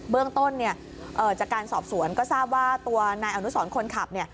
เบื้องต้นจากการสอบสวนก็ทราบว่าตัวนายอนุสรคนขับ